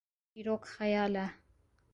çîrok xeyal e